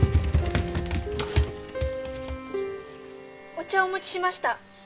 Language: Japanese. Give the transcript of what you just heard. お茶お持ちしました。